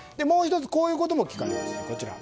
もう１つ、こういうことも聞かれます。